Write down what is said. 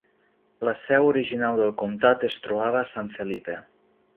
La seu original del comtat es trobava a San Felipe.